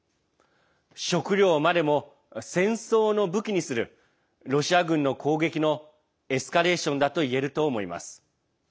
食料までも戦争の武器にするロシア軍の攻撃のエスカレーションだと言えると思います。